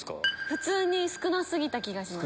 普通に少な過ぎた気がします。